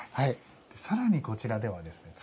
更にこちらではですね